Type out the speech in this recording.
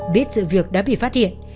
biết sự việc đã bị phát hiện